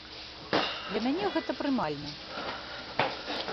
Для мяне гэта прымальна.